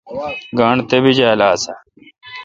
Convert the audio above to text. گانٹھ تپیجال آسہ۔؟